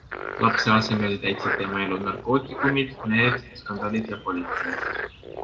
Lapse asemel täitsid tema elu narkootikumid, mehed, skandaalid ja politsei.